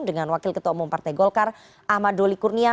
dengan wakil ketua umum partai golkar ahmad doli kurnia